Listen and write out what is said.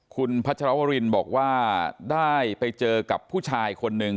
คุณพัชรวรินบอกว่าได้ไปเจอกับผู้ชายคนหนึ่ง